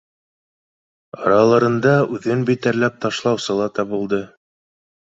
Араларында үҙен битәрләп ташлаусы ла табылды: